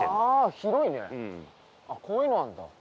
広いねこういうのあんだ